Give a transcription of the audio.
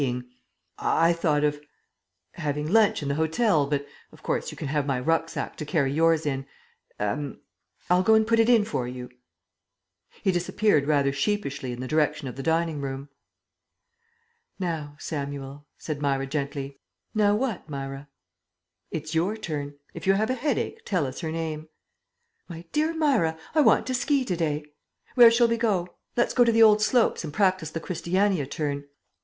We thought of I thought of having lunch in the hotel, but, of course, you can have my rucksack to carry yours in. Er I'll go and put it in for you." He disappeared rather sheepishly in the direction of the dining room. "Now, Samuel," said Myra gently. "Now what, Myra?" "It's your turn. If you have a headache, tell us her name." "My dear Myra, I want to ski to day. Where shall we go? Let's go to the old slopes and practise the Christiania Turn."